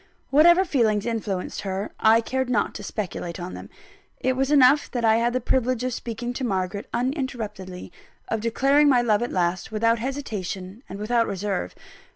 Whatever feelings influenced her, I cared not to speculate on them. It was enough that I had the privilege of speaking to Margaret uninterruptedly; of declaring my love at last, without hesitation and without reserve.